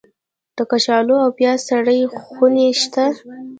د کچالو او پیاز سړې خونې شته؟